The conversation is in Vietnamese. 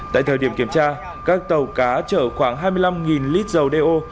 tại thời điểm kiểm tra các tàu cá chở khoảng hai mươi năm lít dầu đeo